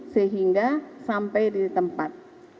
sehingga sampai di tempat